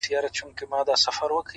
• بلا توره دي پسې ستا په هنر سي,